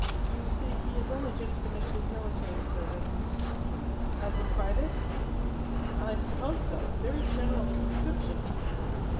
You see, he has only just finished his military service." "As a private?" "I suppose so. There is general conscription.